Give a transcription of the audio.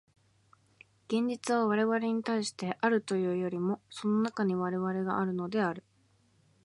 現実は我々に対してあるというよりも、その中に我々があるのである。